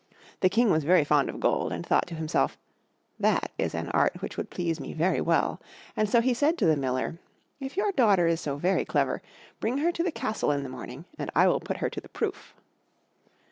The King was very fond of gold, and thought to himself, "That is an art which would please me very well"; and so he said to the Miller, "If your daughter is so very clever, bring her to the castle in the morning, and I will put her to the proof."